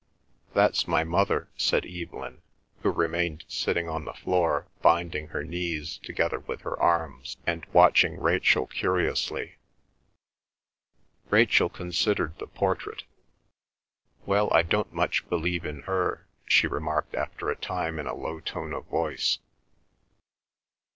"That's my mother," said Evelyn, who remained sitting on the floor binding her knees together with her arms, and watching Rachel curiously. Rachel considered the portrait. "Well, I don't much believe in her," she remarked after a time in a low tone of voice.